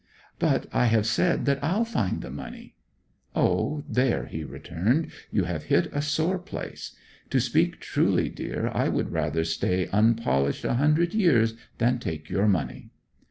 'But I have said that I'll find the money.' 'Ah, there,' he returned, 'you have hit a sore place. To speak truly, dear, I would rather stay unpolished a hundred years than take your money.'